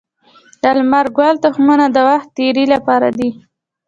د لمر ګل تخمونه د وخت تیري لپاره دي.